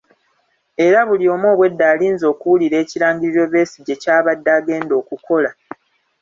Era buli omu obwedda alinze okuwulira ekirangiriro Besigye ky'abadde agenda okukola.